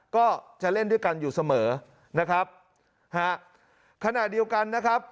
ก็จะเล่นด้วยกันอยู่เสมอนะครับฮะขณะเดียวกันนะครับ